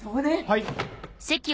はい！